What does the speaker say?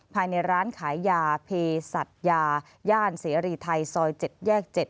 ภายในร้านขายยาเพศัตยาย่านเสรีไทยซอย๗แยก๗